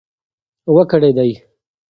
و کړېدی .